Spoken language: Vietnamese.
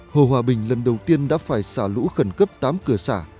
hồ hòa bình lần đầu tiên đã phải xả lũ khẩn cấp tám cửa xả